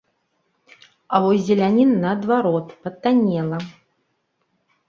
А вось зеляніна, наадварот, патаннела.